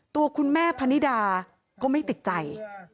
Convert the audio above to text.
ตัวคุณแม่พนิดาก็ไม่ติดใจ